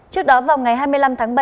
trước đó vào ngày hai mươi năm tháng bảy